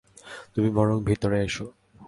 তুমি বরং ভিতরে এসো।